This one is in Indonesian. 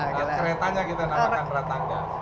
keretanya kita namakan ratangga